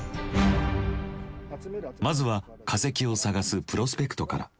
まずは化石を探すプロスペクトから。